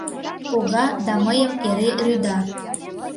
Пога да мыйым эре рӱда: